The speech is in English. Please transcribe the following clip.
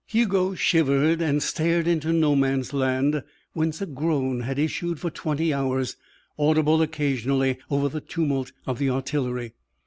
Hugo shivered and stared into no man's land, whence a groan had issued for twenty hours, audible occasionally over the tumult of the artillery.